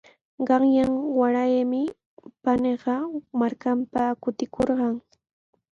Qanyan watami paniiqa markanman kutikamurqan.